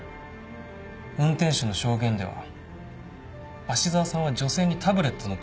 運転手の証言では芦沢さんは女性にタブレットの画面を見せていた。